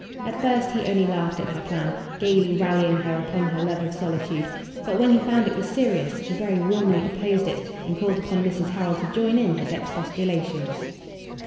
At first he only laughed at her plan, gaily rallying her upon her love of solitude; but when he found it was serious, he very warmly opposed it, and called upon Mrs Harrel to join in his expostulations.